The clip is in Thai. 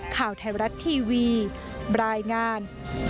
ข่าวไทยรัฐทีวีรายงาน